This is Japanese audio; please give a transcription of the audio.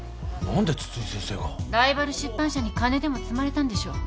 ライバル出版社に金でも積まれたんでしょ。